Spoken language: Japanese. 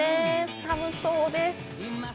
寒そうです。